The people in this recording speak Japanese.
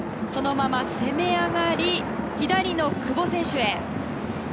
そのまま攻め上がり左の久保選手へ。